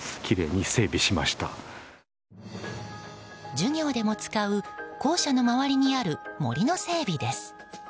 授業でも使う校舎の周りにある森の整備です。